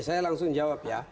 saya langsung jawab ya